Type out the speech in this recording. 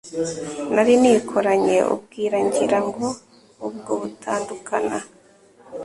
Nari nikoranye ubwira ngira ngo ubwo butandukana,